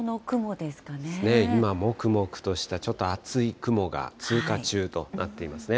今、もくもくとしたちょっと厚い雲が通過中となっていますね。